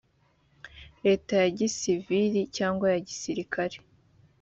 leta ya gisiviri cyangwa ya gisirikare